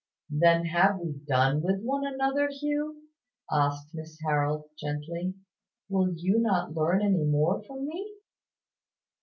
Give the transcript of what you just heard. "Then have we done with one another, Hugh?" asked Miss Harold, gently. "Will you not learn any more from me?"